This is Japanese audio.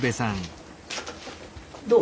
どう？